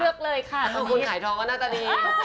เลือกเลยค่ะถ้าคุณขายทองก็น่าจะดี